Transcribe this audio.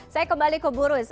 saya kembali ke buruj